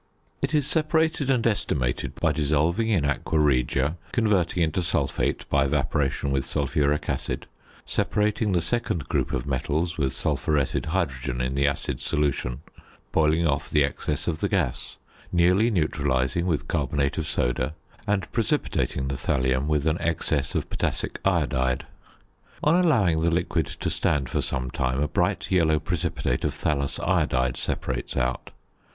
It is separated and estimated by dissolving in aqua regia; converting into sulphate by evaporation with sulphuric acid; separating the second group of metals with sulphuretted hydrogen in the acid solution, boiling off the excess of the gas; nearly neutralising with carbonate of soda; and precipitating the thallium with an excess of potassic iodide. On allowing the liquid to stand for some time a bright yellow precipitate of thallous iodide separates out.